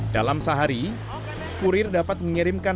dalam sehari kurir dapat mengirimkan